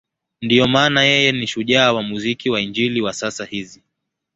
Ndiyo maana yeye ni shujaa wa muziki wa Injili wa sasa hizi.